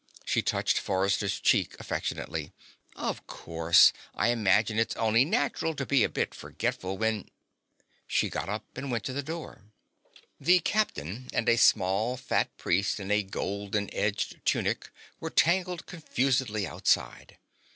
She touched Forrester's cheek affectionately. "Of course, I imagine it's only natural to be a bit forgetful when " She got up and went to the door. The Captain and a small, fat priest in a golden edged tunic were tangled confusedly outside.